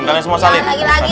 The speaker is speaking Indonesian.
kalian semua salim